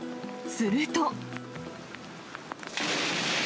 すると。